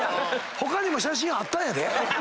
他にも写真あったんやで。